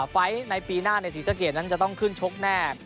ไฟล์ในปีหน้าในศรีสะเกดนั้นจะต้องขึ้นชกแน่